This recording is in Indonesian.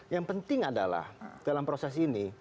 yang penting adalah dalam proses ini